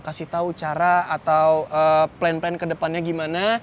kasih tahu cara atau plan plan kedepannya gimana